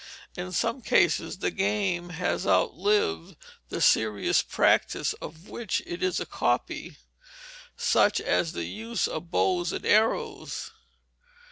In some cases the game has outlived the serious practice of which it is a copy such as the use of bows and arrows.